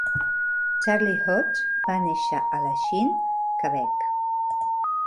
Charlie Hodge va néixer a Lachine, Quebec.